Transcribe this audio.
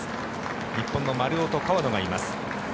日本の丸尾と川野がいます。